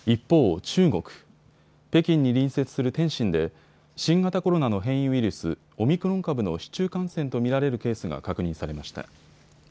北京に隣接する天津で新型コロナの変異ウイルス、オミクロン株の市中感染と見られるケースが確認されました。